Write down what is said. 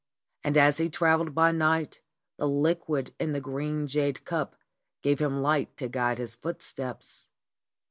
And as he travelled by night the liquid in the green jade cup gave him light to guide his footsteps.